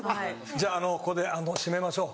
じゃあここで締めましょう。